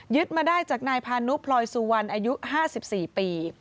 ยึดมาได้จากนายพาณุปลอยสู่วันอายุ๕๔ปี